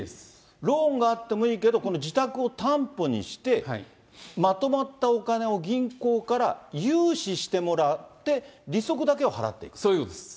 ローンがあってもいいけど、今度自宅を担保にして、まとまったお金を銀行から融資してもらって、そういうことです。